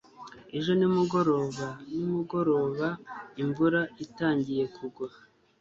ejo nimugoroba nimugoroba imvura itangiye kugwa